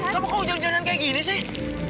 kamu kok hujan jalan kayak gini sih